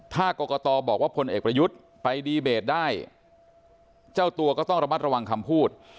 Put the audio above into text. ถ้ากรกตบอกว่าพลเอกประยุทธ์ไปดีเบตได้เจ้าตัวก็ต้องระมัดระวังคำพูด